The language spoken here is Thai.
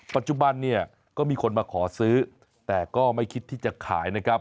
ปัจจุบันเนี่ยก็มีคนมาขอซื้อแต่ก็ไม่คิดที่จะขายนะครับ